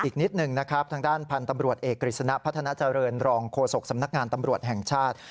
อีกนิดหนึ่งนะครับทางด้านพันธุ์ตำรวจเอกกฤษณะพัฒนาเจริญรองโฆษกสำนักงานตำรวจแห่งชาติ